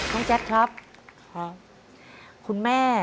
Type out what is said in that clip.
น้องแจ๊คครับครับคุณแม่เป็นคนเลือกเรื่องพระเวชสันดรให้น้องแจ๊คขึ้นมาตอบ